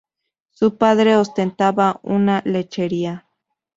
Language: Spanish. Su padre ostentaba una lechería.